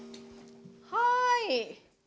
はい。